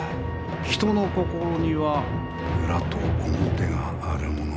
人の心には裏と表があるものぞ。